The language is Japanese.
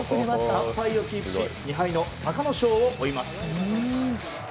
３敗をキープし２敗の隆の勝を追います。